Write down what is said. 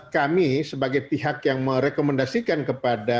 kami sebagai pihak yang merekomendasikan kepada